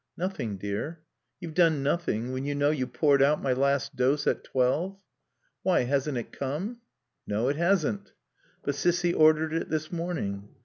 "Nothing, dear." "You've done nothing, when you know you poured out my last dose at twelve?" "Why, hasn't it come?" "No. It hasn't." "But Cissy ordered it this morning."